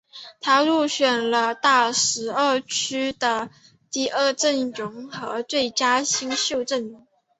他入选了大十二区的第二阵容和最佳新秀阵容。